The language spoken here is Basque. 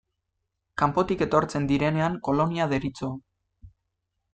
Kanpotik etortzen direnean kolonia deritzo.